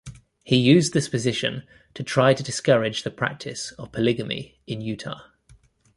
He used this position to try to discourage the practice of polygamy in Utah.